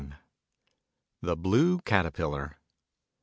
THE BLUE CATERPILLAR.